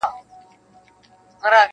یو مُلا وو یوه ورځ سیند ته لوېدلی-